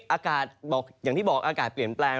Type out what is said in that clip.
อากาศอย่างที่บอกอากาศเปลี่ยนแปลง